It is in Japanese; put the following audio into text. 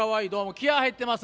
気合いが入っています。